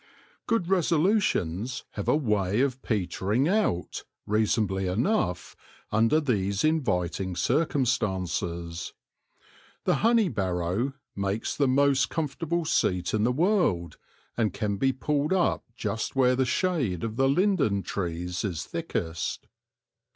Good resolutions have a way of petering out, reasonably enough, under these inviting circum stances. The honey barrow makes the most com fortable seat in the world, and can be pulled up just where the shade of the linden trees is thickest.